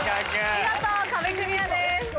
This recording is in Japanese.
見事壁クリアです。